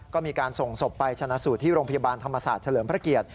ก็มีการส่งศพไปชนะสูตรที่โรงพยาบาลธรรมศาสตร์เฉลิมพระเกียรติ